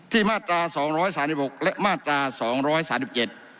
มาตราสองร้อยสามสิบหกและมาตราสองร้อยสามสิบเจ็ด